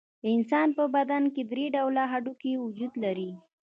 د انسان په بدن کې درې ډوله هډوکي وجود لري.